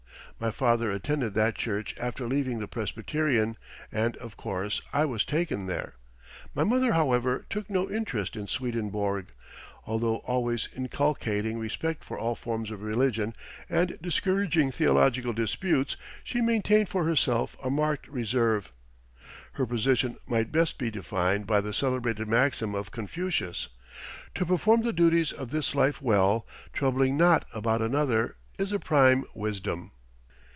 My father attended that church after leaving the Presbyterian, and, of course, I was taken there. My mother, however, took no interest in Swedenborg. Although always inculcating respect for all forms of religion, and discouraging theological disputes, she maintained for herself a marked reserve. Her position might best be defined by the celebrated maxim of Confucius: "To perform the duties of this life well, troubling not about another, is the prime wisdom."